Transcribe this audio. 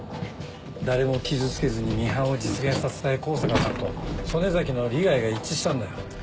誰も傷つけずにミハンを実現させたい香坂さんと曽根崎の利害が一致したんだよ。